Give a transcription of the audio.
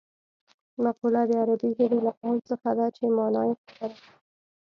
مقوله د عربي ژبې له قول څخه ده چې مانا یې خبره ده